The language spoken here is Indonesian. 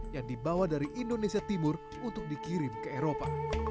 yang dibawa dari indonesia timur untuk dikirim ke eropa